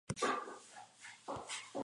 La Villeneuve-Bellenoye-et-la-Maize